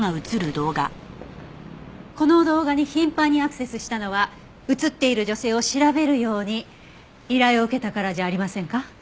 この動画に頻繁にアクセスしたのは映っている女性を調べるように依頼を受けたからじゃありませんか？